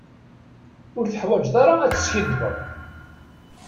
Ur teḥwaǧeḍ ara ad teskiddbeḍ.